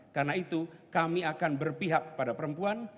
karena itu kami akan berpihak pada perempuan